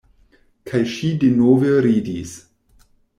Kaj ŝi denove ridis.